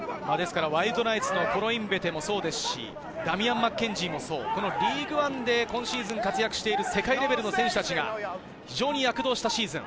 ワイルドナイツのコロインベテもそうですし、ダミアン・マッケンジーもリーグワンで今シーズン活躍する世界レベルの選手たちが非常に躍動したシーズン。